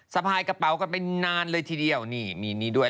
สะพายกระเป๋ากันไปนานเลยทีเดียวนี่มีนี่ด้วย